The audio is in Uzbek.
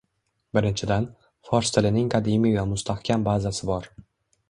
Birinchidan, fors tilining qadimiy va mustahkam bazasi bor